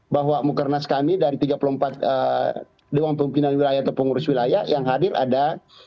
bahwa mukernas kami dari tiga puluh empat dewan pimpinan wilayah atau pengurus wilayah yang hadir ada